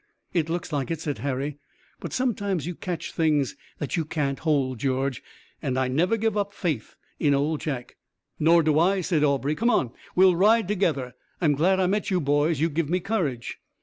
"It looks like it," said Harry, "but sometimes you catch things that you can't hold. George and I never give up faith in Old Jack." "Nor do I," said Aubrey. "Come on! We'll ride together! I'm glad I met you boys. You give me courage."